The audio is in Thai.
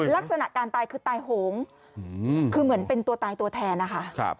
ลักษณะการตายคือตายโหงคือเหมือนเป็นตัวตายตัวแทนนะคะ